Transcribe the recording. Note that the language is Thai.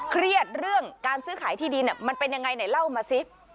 เครียดเรื่องการซื้อขายที่ดินมันเป็นยังไงไหนเล่ามาสิ